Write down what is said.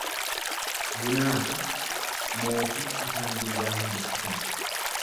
Bunaafi mootii afaan duwwaa hin dubbisan.